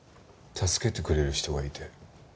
助けてくれる人がいて。